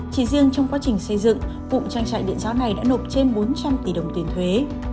chỉ riêng trong quá trình xây dựng cụm trang trại điện gió này đã nộp trên bốn trăm linh tỷ đồng tiền thuế